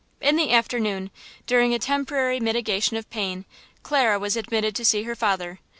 In the afternoon, during a temporary mitigation of pain, Clara was admitted to see her father.